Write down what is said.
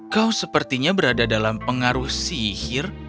kau sepertinya berada dalam pengaruh sihir